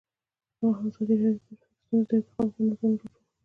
ازادي راډیو د ټرافیکي ستونزې د ارتقا لپاره نظرونه راټول کړي.